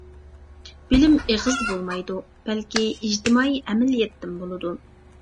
بىلىم ئېغىزدا بولمايدۇ، بەلكى ئىجتىمائىي ئەمەلىيەتتىن بولىدۇ.